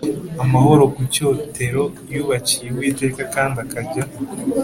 amahoro ku cyotero yubakiye Uwiteka kandi akajya